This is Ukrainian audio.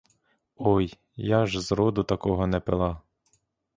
Ой, я ж зроду такого не пила!